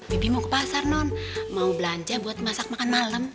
bibi mau ke pasar non mau belanja buat masak makan malam